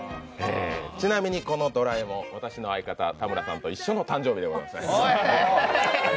ちなみにこのドラえもん、私の相方田村さんと一緒の誕生日です。